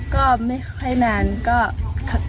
ก็ไม่ค่อนไม่กัน